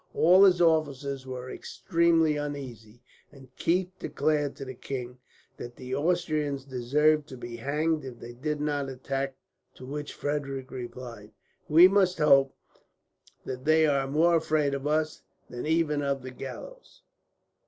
All his officers were extremely uneasy, and Keith declared to the king that the Austrians deserved to be hanged if they did not attack; to which Frederick replied: "We must hope that they are more afraid of us than even of the gallows."